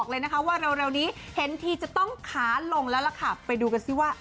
อ่าแหละเย็นด้วยกว่า